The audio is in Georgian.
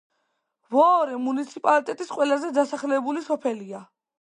ვოორე მუნიციპალიტეტის ყველაზე დასახლებული სოფელია.